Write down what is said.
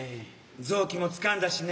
臓器もつかんだしね。